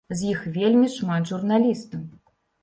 З іх вельмі шмат журналістаў.